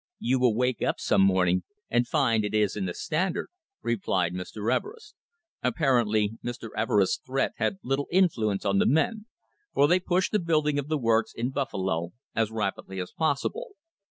"You will wake up some morning and find it is in the Standard," replied Mr. Everest. Apparently Mr. Everest's threat had little influence on the men, for they pushed the building of the works in Buffalo as rapidly as possible.